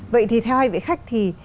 vậy thì theo hai vị khách thì